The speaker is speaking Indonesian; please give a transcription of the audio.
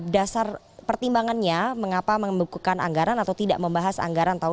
dasar pertimbangannya mengapa membekukan anggaran atau tidak membahas anggaran tahun dua ribu dua puluh